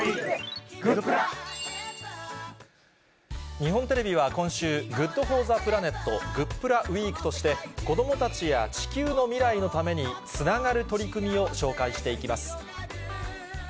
日本テレビは今週、ＧｏｏｄＦｏｒｔｈｅＰｌａｎｅｔ、グップラウィークとして、子どもたちや地球の未来のためにつながる取り組みを紹介していき